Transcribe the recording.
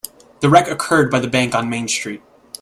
The wreck occurred by the bank on Main Street.